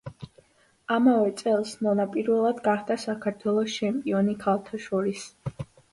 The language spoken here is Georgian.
ამავე წელს ნონა პირველად გახდა საქართველოს ჩემპიონი ქალთა შორის.